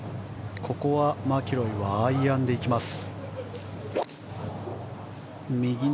ここはマキロイはアイアンで行きます。